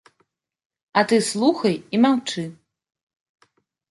А ты слухай і маўчы.